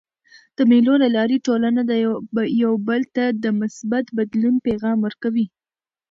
د مېلو له لاري ټولنه یو بل ته د مثبت بدلون پیغام ورکوي.